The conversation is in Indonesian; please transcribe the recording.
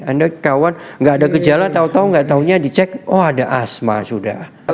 anda kawan nggak ada gejala tau tau gak taunya dicek oh ada asma sudah